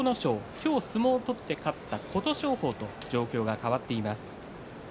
今日相撲を取って勝った琴勝峰と状況が変わっています。